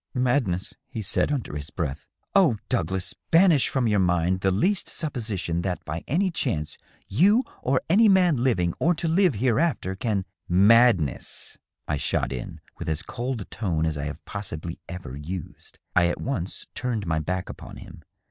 " Madness," he said, under his breath. " Oh, Douglas, banish from your mind the least supposition that by any chance you or any man living or to live hereafter can "" Madness," I shot in, with as cold a tone as I have possibly ever used. I at once turned my back upon him.